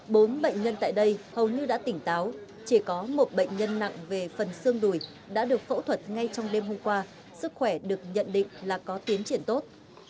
bốn bệnh nhân tại đây hầu như đã tỉnh táo chỉ có một bệnh nhân nặng về phần xương đùi đã được phẫu thuật ngay trong đêm hôm qua sức khỏe được nhận định là có tiến triển tốt